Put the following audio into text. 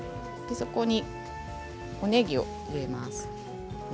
そこにおねぎを入れます。